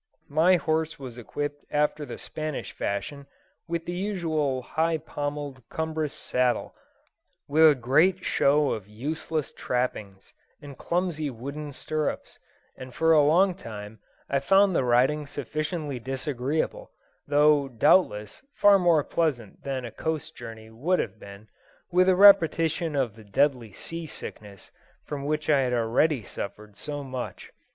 My horse was equipped after the Spanish fashion, with the usual high pommelled cumbrous saddle, with a great show of useless trappings, and clumsy wooden stirrups, and for a long time I found the riding sufficiently disagreeable, though, doubtless, far more pleasant than a coast journey would have been, with a repetition of the deadly sea sickness from which I had already suffered so much.